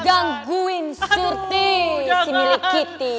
gangguin surti si milik kita